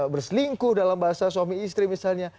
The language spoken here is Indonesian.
berselingkuh dalam bahasa suami istri misalnya